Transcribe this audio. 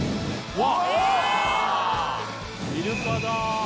うわ！